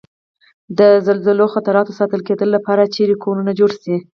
د زلزلوي خطراتو ساتل کېدو لپاره چېرې کورنه جوړ شي؟